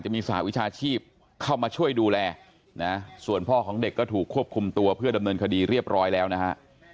มาช่วยดูแลนะส่วนพ่อของเด็กก็ถูกควบคุมตัวเพื่อดำเนินคดีเรียบร้อยแล้วนะฮะ